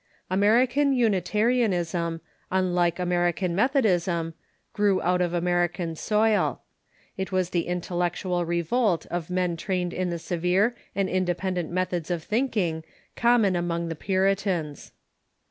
American Unitarianism, unlike American Methodism, grew ont of American soil. It was the intellectual revolt of men trained in the severe and indepen dent methods of thinking common among the Puritans.